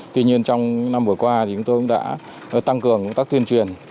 tuy nhiên trong năm vừa qua thì chúng tôi cũng đã tăng cường công tác tuyên truyền